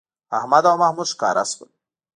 احمد او محمود ښکاره شول